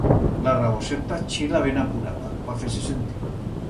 La raboseta chila ben apurada, pa fer-se sentir.